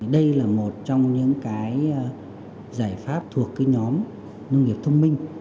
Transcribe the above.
đây là một trong những cái giải pháp thuộc cái nhóm nông nghiệp thông minh